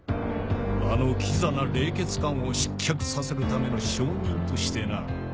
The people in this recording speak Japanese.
あのキザな冷血漢を失脚させるための証人としてな。